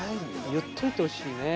言っといてほしいね。